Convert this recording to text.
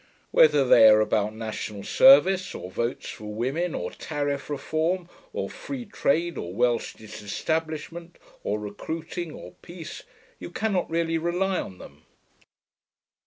Whether they are about National Service, or Votes for Women, or Tariff Reform, or Free Trade, or Welsh Disestablishment, or Recruiting, or Peace you cannot really rely on them.